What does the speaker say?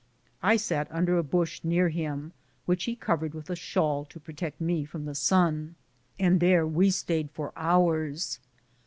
I sat under a bush near him, which he covered with a shawl to protect me from the sun, and there we stayed for hours.